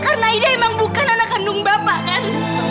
karena aiden emang bukan anak kandung bapak kan